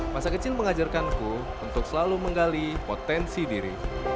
masa kecil mengajarkanku untuk selalu menggali potensi diri